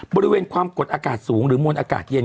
บริเวณความกดอากาศสูงหรือมวลอากาศเย็น